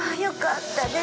よかった。